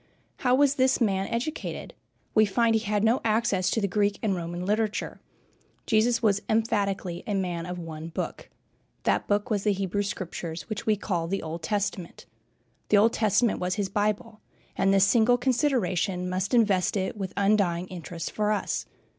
How was this man educated? We find he had no access to the Greek and Roman literature. Jesus was emphatically a man of one book. That book was the Hebrew Scriptures, which we call the Old Testament. The Old Testament was his Bible, and this single consideration must invest it with undying interest for us.